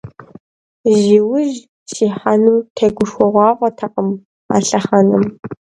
Зи ужь сихьэнур тегушхуэгъуафӀэтэкъым а лъэхъэнэм.